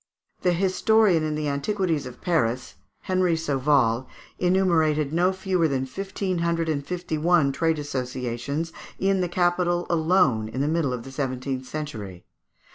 The historian of the antiquities of Paris, Henry Sauval, enumerated no fewer than fifteen hundred and fifty one trade associations in the capital alone in the middle of the seventeenth century.